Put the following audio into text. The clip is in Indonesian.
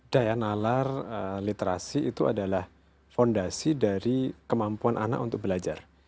daya nalar literasi itu adalah fondasi dari kemampuan anak untuk belajar